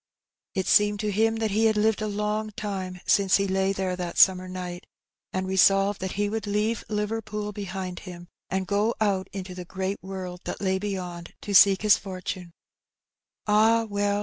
It seemed to him that he had hved a long life since he lay there that summer night, and resolved that he would leave Liverpool behind him, and go out into the great world that lay beyond to seek his fortune ^'' Ah, well